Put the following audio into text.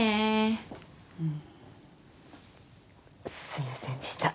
すいませんでした。